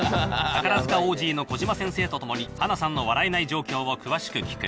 宝塚ＯＧの小嶋先生と共に、英さんの笑えない状況を詳しく聞く。